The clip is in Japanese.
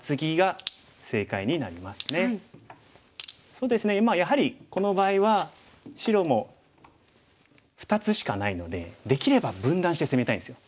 そうですねやはりこの場合は白も２つしかないのでできれば分断して攻めたいんですよ。